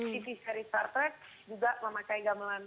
city series star trek juga memakai gamelan